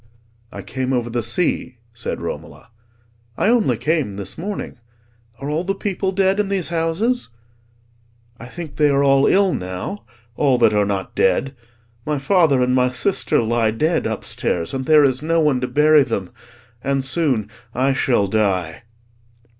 "I came over the sea," said Romola, "I only came this morning. Are all the people dead in these houses?" "I think they are all ill now—all that are not dead. My father and my sister lie dead upstairs, and there is no one to bury them: and soon I shall die."